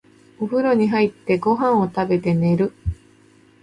お風呂に入って、ご飯を食べて、寝る。